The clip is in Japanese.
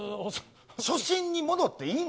初心に戻っていいの？